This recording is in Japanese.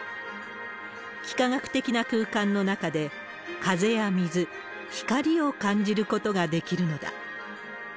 幾何学的な空間の中で、風や水、光を感じることができるのだ。